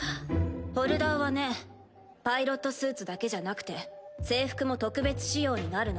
ホルダーはねパイロットスーツだけじゃなくて制服も特別仕様になるの。